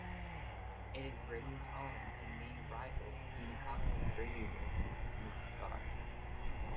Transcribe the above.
It is radiotolerant and may rival "Deinococcus radiodurans" in this regard.